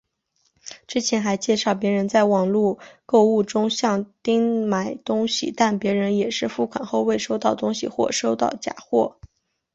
之前还介绍别人在网路购物中向丁买东西但别人也是付款后未收到东西或收到假货。